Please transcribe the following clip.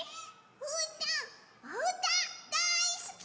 うーたんおうただいすき！